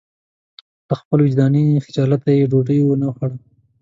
له خپل وجداني خجالته یې ډوډۍ ونه خوړه.